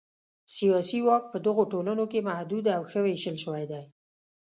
سیاسي واک په دغو ټولنو کې محدود او ښه وېشل شوی دی.